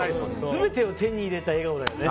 全てを手に入れた笑顔だよね。